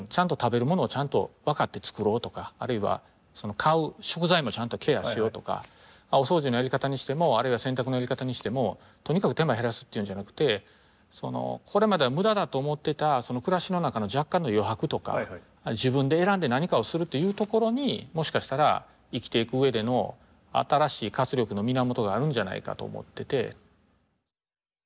食べるものをちゃんと分かって作ろうとかあるいは買う食材もちゃんとケアしようとかお掃除のやり方にしてもあるいは洗濯のやり方にしてもとにかく手間減らすっていうんじゃなくてこれまでは無駄だと思ってた暮らしの中の若干の余白とか自分で選んで何かをするというところにもしかしたら生きていく上での新しい活力の源があるんじゃないかと思ってて。